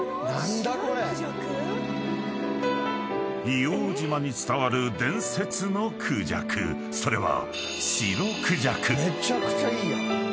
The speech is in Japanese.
［硫黄島に伝わる伝説のクジャクそれは］